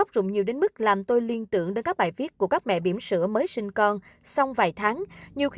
sư mẫu chia sẻ